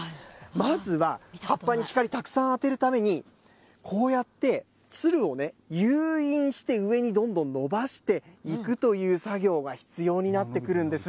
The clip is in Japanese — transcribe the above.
まずは、葉っぱに光たくさん当てるために、こうやって、つるをね、誘引して上にどんどん伸ばしていくという作業が必要になってくるんです。